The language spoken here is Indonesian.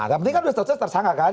nah penting kan statusnya tersangka kan